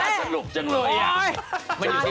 ไม่อยู่ที่มา